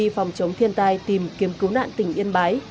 phòng chống thiên tai tìm kiếm cứu nạn tỉnh yên bái